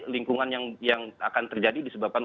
lingkungan yang akan terjadi disebabkan